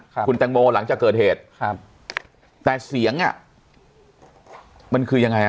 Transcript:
คุณแตงโมหลังจากเกิดเหตุครับแต่เสียงอ่ะมันคือยังไงอ่ะ